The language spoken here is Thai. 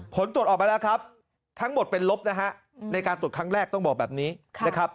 ผลตรวจออกมาแล้วครับทั้งหมดเป็นลบนะฮะในการตรวจครั้งแรกต้องบอกแบบนี้นะครับ